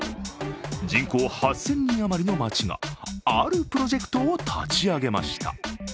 人口８０００人余りの町が、あるプロジェクトを立ち上げました。